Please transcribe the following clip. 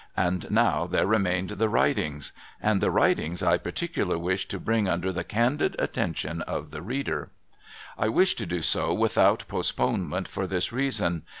And now there remained the writings ; and the writings I particular wish to bring under the candid attention of the reader. I wish to do so without postponement, for this reason.